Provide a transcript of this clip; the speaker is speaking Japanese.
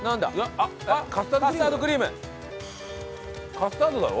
カスタードだろ？